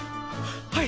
はい！